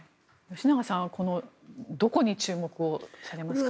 吉永さんはどこに注目されますか。